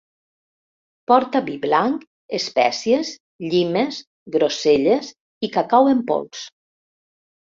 Porta vi blanc, espècies, llimes, groselles i cacau en pols